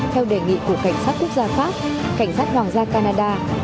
theo đề nghị của cảnh sát quốc gia pháp cảnh sát hoàng gia canada